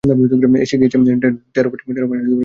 এসেছেন গিয়েছেন, টেরও পাইনি কী জিনিস ছিল তার মধ্যে।